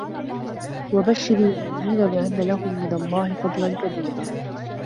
وَبَشِّرِ المُؤمِنينَ بِأَنَّ لَهُم مِنَ اللَّهِ فَضلًا كَبيرًا